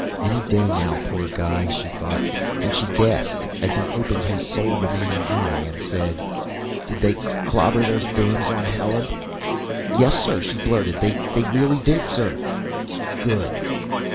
Any day now, poor guy, she thought. And she gasped as she opened his sole remaining eye, said: "Did they clobber those dames on Heleb?" "Yes, sir!" she blurted. "They really did, sir!" "Good!"